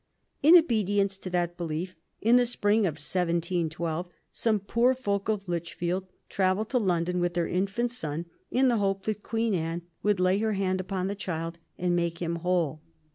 In obedience to that belief, in the spring of 1712 some poor folk of Lichfield travelled to London with their infant son, in the hope that Queen Anne would lay her hand upon the child and make him whole.